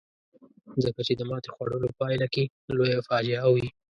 ځکه چې د ماتې خوړلو پایله پکې لویه فاجعه وي.